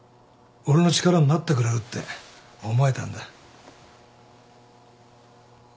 俺の力になってくれるって思えたんだ。